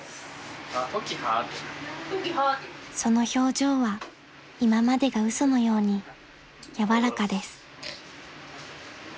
［その表情は今までが嘘のように柔らかです］